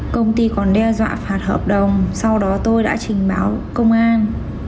công ty còn đe dọa phạt hợp đồng sau đó tôi đã trình báo công an